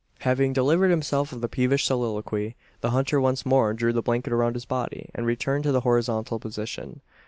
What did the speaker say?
Having delivered himself of this peevish soliloquy, the hunter once more drew the blanket around his body, and returned to the horizontal position.